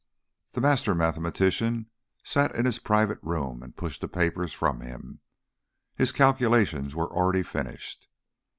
The master mathematician sat in his private room and pushed the papers from him. His calculations were already finished.